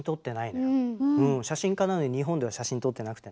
写真家なのに日本では写真撮ってなくてね。